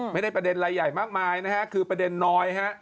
ประเด็นอะไรใหญ่มากมายนะฮะคือประเด็นน้อยฮะ